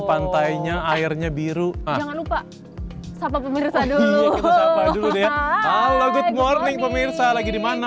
pantainya airnya biru jangan lupa sapa pemirsa dulu halo good morning pemirsa lagi di mana